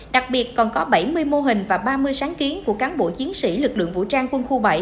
đặc biệt còn có bảy mươi mô hình và ba mươi sáng kiến của cán bộ chiến sĩ lực lượng vũ trang quân khu bảy